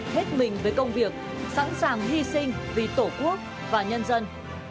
hết mình với công việc sẵn sàng hy sinh vì tổ quốc và nhân dân